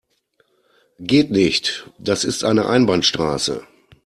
Geht nicht, das ist eine Einbahnstraße.